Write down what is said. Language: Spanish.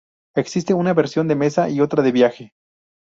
Existe una versión de mesa y otra de viaje.